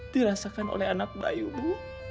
dirasakan oleh anak bayu bu